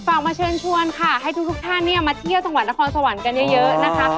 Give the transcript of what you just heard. มาเชิญชวนค่ะให้ทุกท่านเนี่ยมาเที่ยวจังหวัดนครสวรรค์กันเยอะนะคะ